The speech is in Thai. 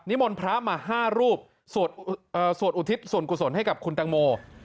มนต์พระมา๕รูปสวดอุทิศส่วนกุศลให้กับคุณตังโม